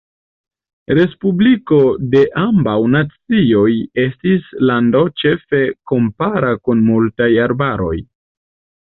Respubliko de Ambaŭ Nacioj estis lando ĉefe kampara kun multaj arbaroj.